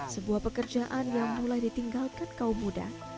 sebuah pekerjaan yang mulai ditinggalkan kaum muda